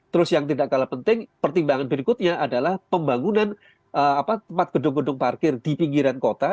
terus yang tidak kalah penting pertimbangan berikutnya adalah pembangunan tempat gedung gedung parkir di pinggiran kota